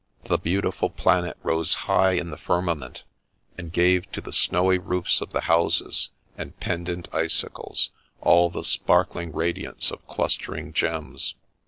The beautiful planet rose high in the firmament, and gave to the snowy roofs of the houses, and pendant icicles, all the sparkling radiance of clustering gems.